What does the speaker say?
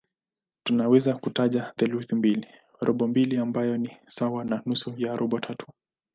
Tunaweza kutaja theluthi mbili, robo mbili ambayo ni sawa na nusu au robo tatu.